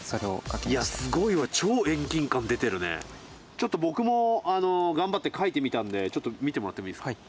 ちょっと僕も頑張って描いてみたんでちょっと見てもらってもいいですか？